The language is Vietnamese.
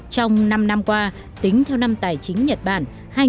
trong năm năm qua tính theo năm tài chính nhật bản hai nghìn một mươi hai hai nghìn một mươi sáu